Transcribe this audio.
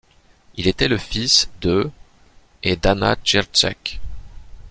Il était le fils de et d'Anna Dzierżek.